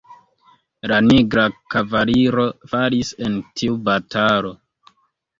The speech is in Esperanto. La nigra kavaliro falis en tiu batalo.